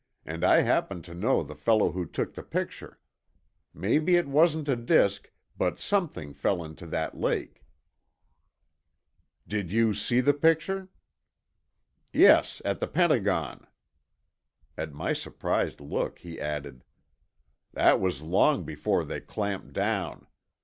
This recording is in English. "And I happen to know the fellow who took the picture. Maybe it wasn't a disk, but something fell into that lake." "Did you see the picture?" "Yes, at the Pentagon." At my surprised look, he added, "That was long before they clamped down.